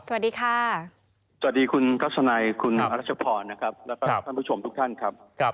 สวัสดีคุณกัศนัยคุณอาชะพรและท่านผู้ชมทุกท่านครับ